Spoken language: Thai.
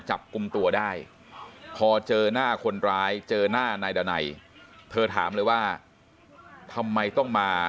จับกลุ่มตัวได้พอเจอหน้าคนร้ายเจอหน้านายดานัยเธอถามเลยว่าทำไมต้องมา